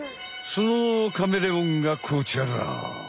そのカメレオンがこちらだ！